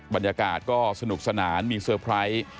บรรยากาศก็สนุกสนานมีเซอร์ไพรส์